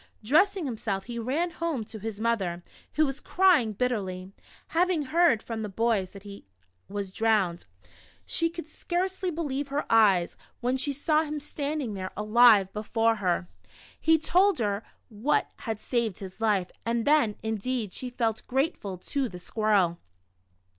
Dressing himself, he ran home to his mother, who was crying bitterly, having heard from the boys that he was drowned. She could scarcely io6 What the Squirrel Did for Richard. believe her eyes, when she saw him standing there aHve before her. He told her what had saved his life, and then, indeed, she felt grateful to the squirrel.